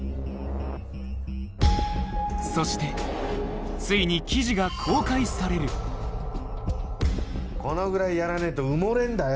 そしてついに記事が公開されるこのぐらいやらねえと埋もれんだよ。